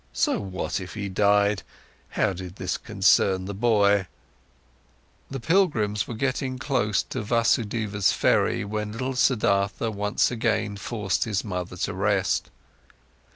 So what if he died, how did this concern the boy? The pilgrims were getting close to Vasudeva's ferry, when little Siddhartha once again forced his mother to rest.